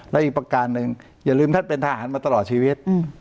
และอีกประการหนึ่งอย่าลืมท่านเป็นทหารมาตลอดชีวิต